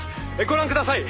「ご覧ください。